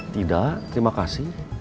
tidak terima kasih